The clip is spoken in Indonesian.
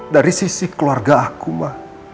dari sisi keluarga aku mah